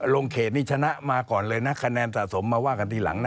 เขตนี่ชนะมาก่อนเลยนะคะแนนสะสมมาว่ากันทีหลังนะ